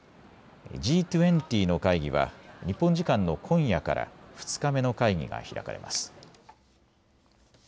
Ｇ２０の会議は日本時間の今夜から２日目の会議が開かれます。